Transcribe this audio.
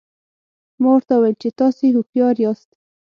ما ورته وویل چې تاسي هوښیار یاست.